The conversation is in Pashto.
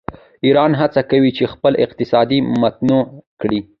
ایران هڅه کوي چې خپل اقتصاد متنوع کړي.